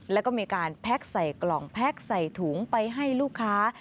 แล้วก็มีการแพ็คใส่กล่องแพ็คใส่ถุงไปให้ลูกค้า